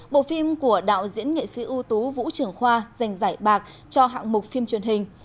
bộ phim của đạo diễn nghệ sĩ ưu tú vũ trường khoa giành giải bạc cho hạng mục phim truyền hình